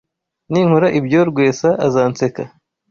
Ninkora ibyo, Rwesa azanseka.